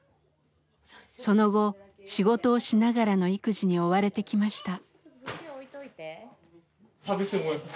その後仕事をしながらの育児に追われてきました。